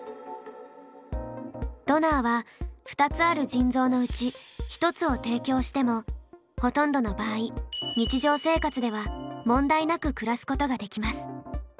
ドナーは２つある腎臓のうち１つを提供してもほとんどの場合日常生活では問題なく暮らすことができます。